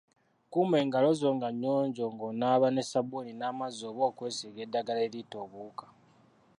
Kuuma engalo zo nga nnyonjo ng’onaaba ne ssabbuuni n’amazzi oba okwesiiga eddagala eritta obuwuka.